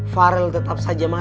farel tetap saja marah sama bete